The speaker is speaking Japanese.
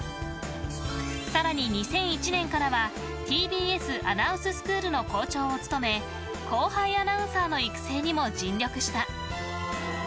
更に２００１年からはＴＢＳアナウンススクールの校長を務め後輩アナウンサーの育成にも尽力した。